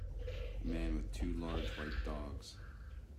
A man with two large white dogs.